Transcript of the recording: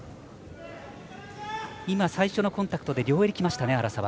最初のコンタクトで両襟、きましたね、原沢。